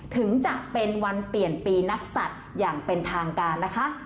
ถึงจะเป็นวันเปลี่ยนปีนักศัตริย์อย่างเป็นทางการนะคะ